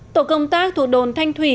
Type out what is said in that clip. tổ công tác thuộc đồn thanh thủy